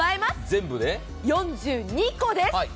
全部で４２個です。